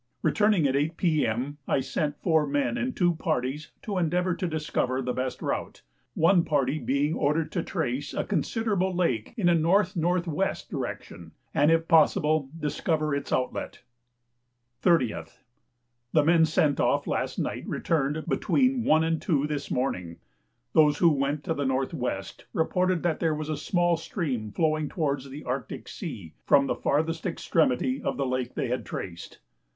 Returning at 8 P.M., I sent four men in two parties to endeavour to discover the best route, one party being ordered to trace a considerable lake in a N.N.W. direction, and, if possible, discover its outlet. 30th. The men sent off last night returned between 1 and 2 this morning: those who went to the N.W. reported that there was a small stream flowing towards the Arctic Sea from the farthest extremity of the lake they had traced.